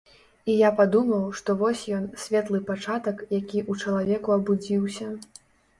І я падумаў, што вось ён, светлы пачатак, які ў чалавеку абудзіўся.